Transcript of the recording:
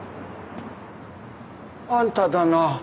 あんただな？